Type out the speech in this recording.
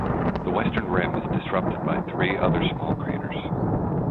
The western rim is disrupted by three other small craters.